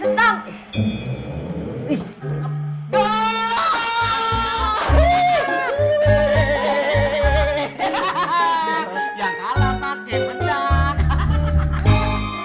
yang kalah pake pedang